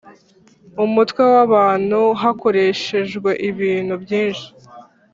Umutwe W abantu hakoreshejwe ibintu byinshi